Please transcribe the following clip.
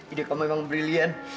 ide kamu emang brilliant